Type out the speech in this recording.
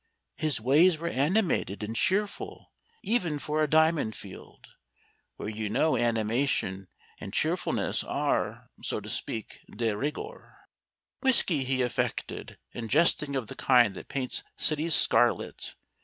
His ways were animated and cheerful even for a diamond field, where you know animation and cheerfulness are, so to speak, de rigueur. Whisky he affected, and jesting of the kind that paints cities scarlet.